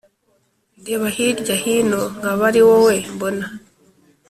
ndeba hirya hino nkaba ari wowe mbona